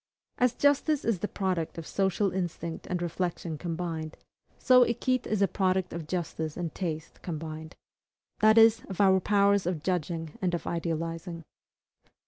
As justice is the product of social instinct and reflection combined, so equite is a product of justice and taste combined that is, of our powers of judging and of idealizing.